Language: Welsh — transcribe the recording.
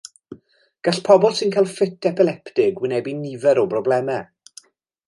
Gall pobl sy'n cael ffit epileptig wynebu nifer o broblemau.